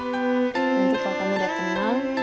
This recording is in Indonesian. nanti kalau kamu udah tenang